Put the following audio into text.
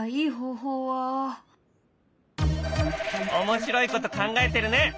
面白いこと考えてるね！